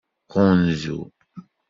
Ɣunzu.